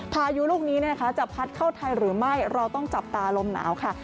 พายุลูกนี้จะพัดเข้าไทยหรือไม่เราต้องจับตาลมหนาวค่ะ